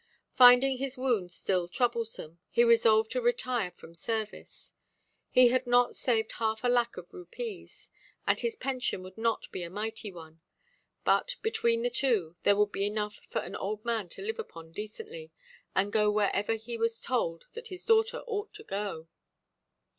Finding his wound still troublesome, he resolved to retire from service; he had not saved half a lac of rupees, and his pension would not be a mighty one; but, between the two, there would be enough for an old man to live upon decently, and go wherever he was told that his daughter ought to go.